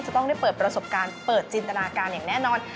จะต้องได้เปิดประสบการณ์เปิดจินตนาการอย่างแน่นอน